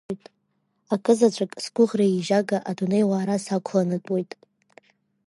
Акызаҵәык, сгәыӷра еижьага адунеи уаара сақәланатәуеит.